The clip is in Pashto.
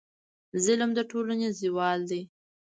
ظلم د ټولنې زوال دی.